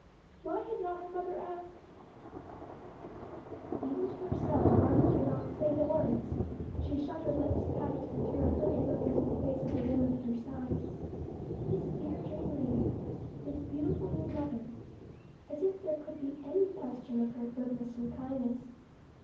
Why had not her mother asked Even to herself Margaret could not say the words. She shut her lips tight and threw a hurried look into the face of the woman at her side. This dear dream lady, this beautiful new mother as if there could be any question of her goodness and kindness!